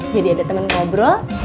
jadi ada temen ngobrol